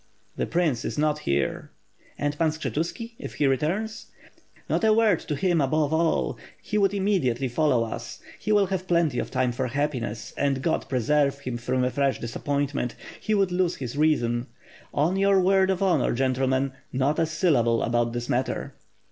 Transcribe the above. "The prince is not here." "And Pan Skshetuski, if he returns?" "Not a word to him above all; he would immediately fol low us. He will have plenty of time for happiness, and God preserve him from a fresh disappointment; he would lose his reason. On your word of honor, gentlemen, not a syllable about this matter."